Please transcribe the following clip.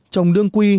trồng đường quy